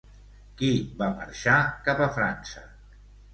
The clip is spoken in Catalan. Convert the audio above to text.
Qui va marxar cap a França?